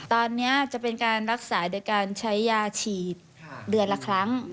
ตอนนี้จะเป็นการรักษาโดยการใช้ยาฉีดเดือนละครั้ง